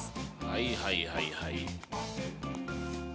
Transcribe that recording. はいはいはいはい。